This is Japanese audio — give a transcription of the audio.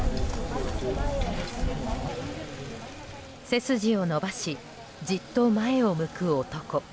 背筋を伸ばしじっと前を向く男。